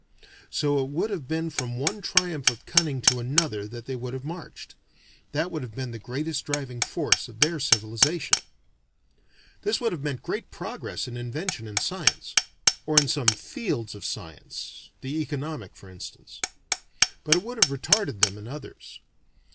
So it would have been from one triumph of cunning to another that they would have marched. That would have been the greatest driving force of their civilization. This would have meant great progress in invention and science or in some fields of science, the economic for instance. But it would have retarded them in others.